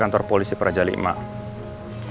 mau dokter bantuan